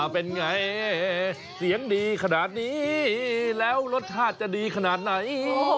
เป็นไงเสียงดีขนาดนี้แล้วรสชาติจะดีขนาดไหน